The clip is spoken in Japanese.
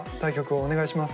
お願いします。